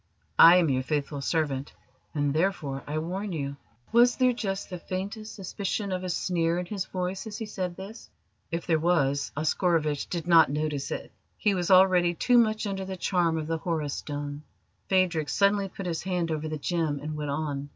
I am your faithful servant, and therefore I warn you." Was there just the faintest suspicion of a sneer in his voice as he said this? If there was, Oscarovitch did not notice it. He was already too much under the charm of the Horus Stone. Phadrig suddenly put his hand over the gem and went on.